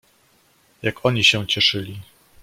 "Jak oni się cieszyli!"